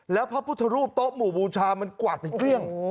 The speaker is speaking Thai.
แล้วพระพุทธรูปโต๊ะหมู่บูชามันกวาดเป็นเกลี้ยง